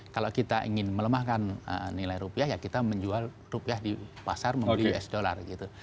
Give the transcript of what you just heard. kalau kita ingin melemahkan nilai rupiah ya kita menjual rupiah di pasar membeli us dollar gitu